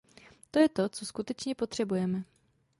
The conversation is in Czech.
To je to, co skutečně potřebujeme.